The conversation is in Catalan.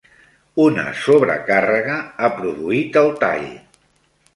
Una sobrecàrrega ha produït el tall